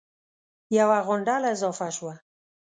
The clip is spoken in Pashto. یوه غونډله اضافه شوه